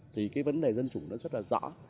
thì cái vấn đề dân chủ nó rất là rõ